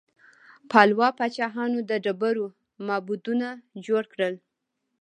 پالوا پاچاهانو د ډبرو معبدونه جوړ کړل.